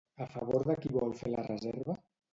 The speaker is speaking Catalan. A favor de qui vol fer la reserva?